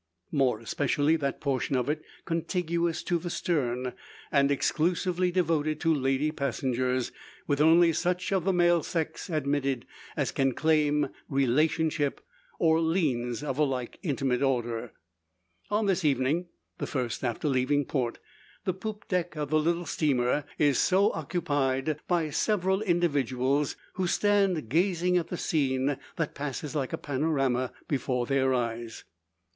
More especially that portion of it contiguous to the stern, and exclusively devoted to lady passengers with only such of the male sex admitted as can claim relationship, or liens of a like intimate order. On this evening the first after leaving port the poop deck of the little steamer is so occupied by several individuals; who stand gazing at the scene that passes like a panorama before their eyes.